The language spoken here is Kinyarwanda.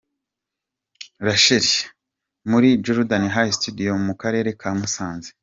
Rachel: Muri Jordan High Studio mu karere ka Musanze.